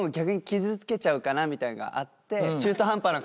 みたいのがあって。